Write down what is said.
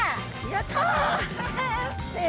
やった！